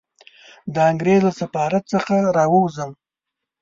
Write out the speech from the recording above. د انګریز له سفارت څخه را ووځم.